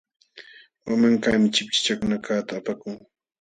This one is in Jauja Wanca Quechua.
Wanmankaqmi chipchichakunakaqta apakun.